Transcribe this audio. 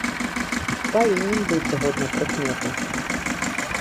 Павінен быць, згодна прыкметы.